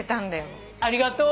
ありがとう。